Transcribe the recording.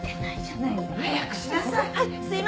早くしなさい！